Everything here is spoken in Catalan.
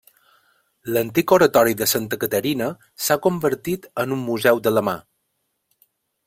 L'antic oratori de Santa Caterina s'ha reconvertit en un Museu de la Mar.